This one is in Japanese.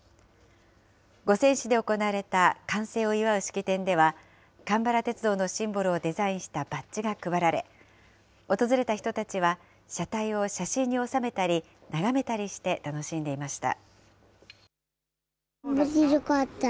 五泉市で行われた完成を祝う式典では、蒲原鉄道のシンボルをデザインしたバッジが配られ、訪れた人たちは車体を写真に収めたり、眺めたりして楽しんでいました。